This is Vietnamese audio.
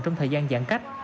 trong thời gian giãn cách